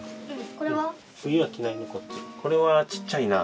これはちっちゃいな。